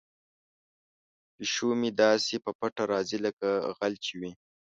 پیشو مې داسې په پټه راځي لکه غل چې وي.